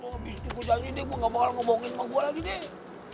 abis itu gue janji deh gue gak bakal ngebohongin sama gue lagi deh